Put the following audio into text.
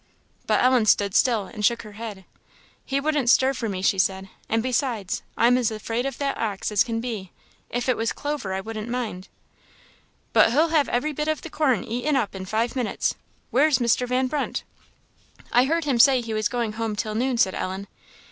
But Ellen stood still, and shook her head. "He wouldn't stir for me," she said; "and besides, I am as afraid of that ox as can be. If it was Clover, I wouldn't mind." "But he'll have every bit of the corn eaten up in five minutes! Where's Mr. Van Brunt?" "I heard him say he was going home till noon," said Ellen.